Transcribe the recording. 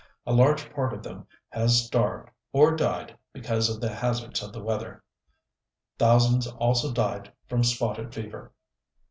. A large part of them has starved, or died because of the hazards of the weather. Thousands also died from spotted fever.